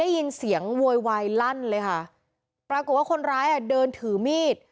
ได้ยินเสียงโวยวายลั่นเลยค่ะปรากฏว่าคนร้ายอ่ะเดินถือมีด